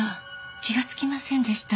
気がつきませんでした。